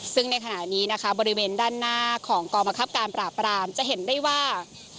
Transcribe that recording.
ซึ่งในขณะนี้นะคะบริเวณด้านหน้าของกรมคับการปราบรามจะเห็นได้ว่า